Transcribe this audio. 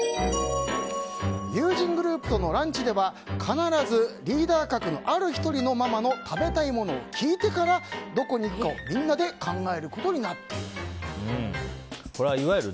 友人グループとのランチでは必ずリーダー格の１人から食べたいものを聞いてからどこに行くかをみんなで考えることになっている。